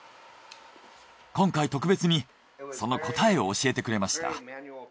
今回特別にその答えを教えてくれました。